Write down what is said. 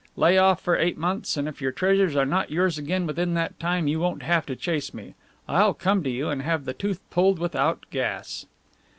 Lay off for eight months, and if your treasures are not yours again within that time you won't have to chase me. I'll come to you and have the tooth pulled without gas."